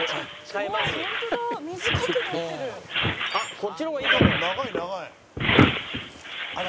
こっちの方がいいかも。